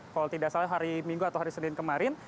kalau tidak salah hari minggu atau hari senin kemarin